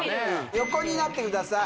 横になってください